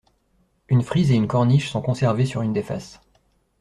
Une frise et une corniche sont conservées sur une des faces.